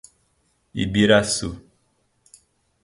Ibiraçu